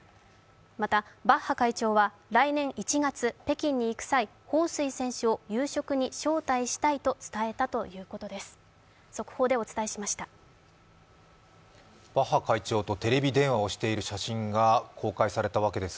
また、バッハ会長は来年１月、北京に行く際、彭帥選手を夕食に招待したいと伝えたということです。